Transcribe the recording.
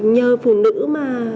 nhờ phụ nữ mà